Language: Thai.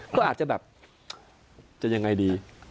ก็อาจจะแบบจะยังไงดี